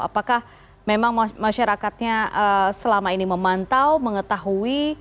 apakah memang masyarakatnya selama ini memantau mengetahui